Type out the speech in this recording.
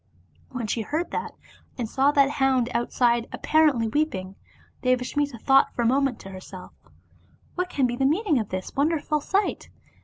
When she heard that, and saw that hound outside appar ently weeping, Devasmita thought for a moment to herself, "What can be the meaning of this wonderful sight?"